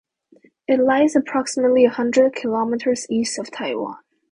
It lies approximately a hundred kilometers east of Taiwan.